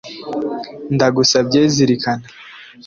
ndagusabye zirikana,